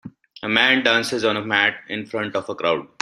A man dances on a mat in front of a crowd.